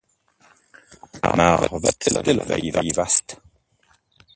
Maar wat stellen wij vast?